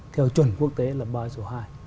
theo chuẩn quốc tế là ba số hai